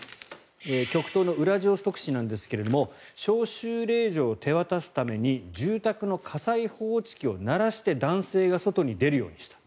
極東のウラジオストク市ですが招集令状を手渡すために住宅の火災報知器を鳴らして男性が外に出るようにした。